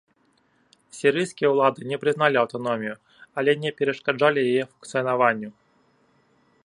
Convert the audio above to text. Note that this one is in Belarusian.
Сірыйскія ўлады не прызналі аўтаномію, але не перашкаджалі яе функцыянаванню.